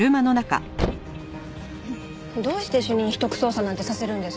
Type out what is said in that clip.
どうして主任秘匿捜査なんてさせるんですかね？